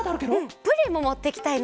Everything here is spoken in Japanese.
プリンももっていきたいな。